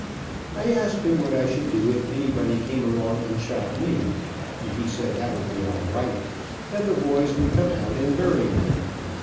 I asked him what I should do if anybody came along and shot me, and he said that would be all right, that the boys would come out and bury me.